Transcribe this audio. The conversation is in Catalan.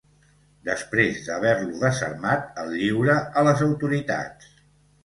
Després d'haver-lo desarmat, el lliura a les autoritats.